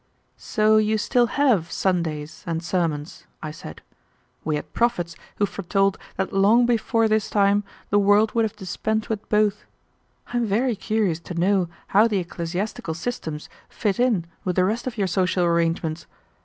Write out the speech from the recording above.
"So you still have Sundays and sermons," I said. "We had prophets who foretold that long before this time the world would have dispensed with both. I am very curious to know how the ecclesiastical systems fit in with the rest of your social arrangements.